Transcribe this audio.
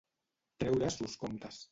Treure sos comptes.